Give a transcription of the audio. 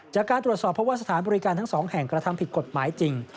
จากการตรวจสอบเพราะว่าสถานบริการทั้งสองแห่งกระทำผิดกฎหมายจริง